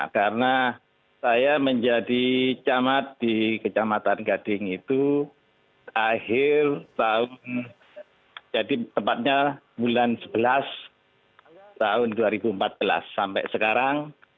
karena saya menjadi camat di kecamatan gading itu akhir tahun jadi tepatnya bulan sebelas tahun dua ribu empat belas sampai sekarang